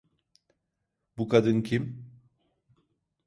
Bu kadın kim?